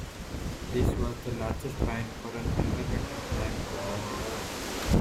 This was the largest fine for an environmental crime to that date.